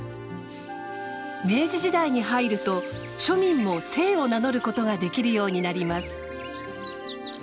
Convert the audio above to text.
明治時代に入ると庶民も姓を名乗ることができるようになります。